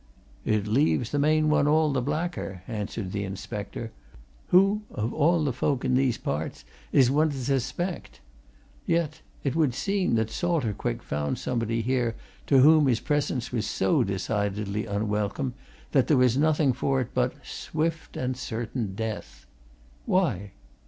"It leaves the main one all the blacker," answered the inspector. "Who, of all the folk in these parts, is one to suspect? Yet it would seem that Salter Quick found somebody here to whom his presence was so decidedly unwelcome that there was nothing for it but swift and certain death! Why?